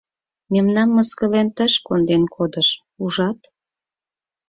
Мемнам мыскылен тыш конден кодыш ужат...